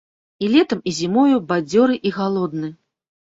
І летам і зімою бадзёры і галодны.